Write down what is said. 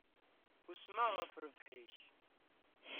Usmeɣ ɣef rrbeḥ-ik.